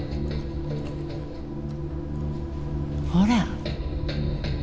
ほら。